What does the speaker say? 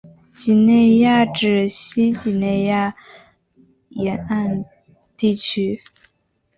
几内亚指西非几内亚湾沿岸地区。